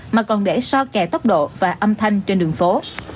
mà còn để so kẻ tốc độ và âm thanh trên đường phố